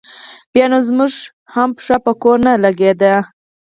بیا نو زموږ هم پښه په کور نه لګېده.